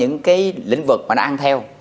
những cái lĩnh vực mà nó ăn theo